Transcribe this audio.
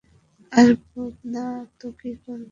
আসব না তো কী করব?